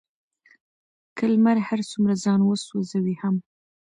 که لمر هر څومره ځان وسوزوي هم،